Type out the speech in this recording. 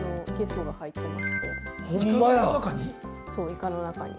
イカの中に？